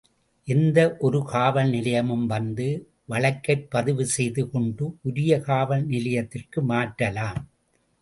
எந்த ஒரு காவல் நிலையமும் வந்த வழக்கைப் பதிவு செய்து கொண்டு உரிய காவல் நிலையத்திற்கு மாற்றலாம்.